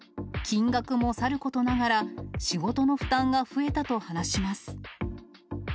金額もさることながら、仕事の負担が増えたと話します。